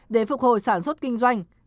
để phục hồi sản xuất kinh doanh